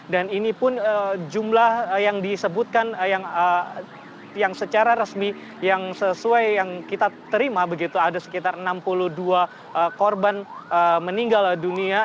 dan ini pun jumlah yang disebutkan yang secara resmi yang sesuai yang kita terima begitu ada sekitar enam puluh dua korban meninggal dunia